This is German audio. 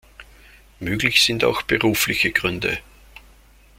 Möglich sind auch berufliche Gründe.